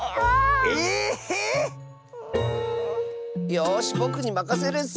⁉よしぼくにまかせるッス！